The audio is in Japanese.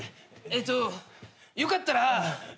えっとよかったら。